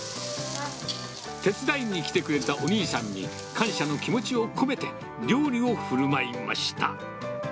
手伝いに来てくれたお兄さんに、感謝の気持ちを込めて、料理をふるまいました。